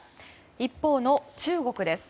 一方の中国です。